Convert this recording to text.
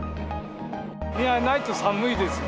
いや、ないと寒いですね。